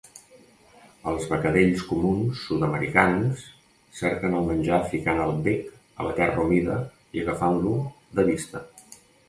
Els becadells comuns sud-americans cerquen el menjar ficant el bec a la terra humida o agafant-lo de vista.